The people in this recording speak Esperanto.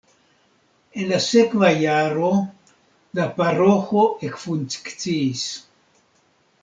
En la sekva jaro la paroĥo ekfunkciis.